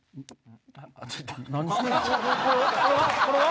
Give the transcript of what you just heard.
これは？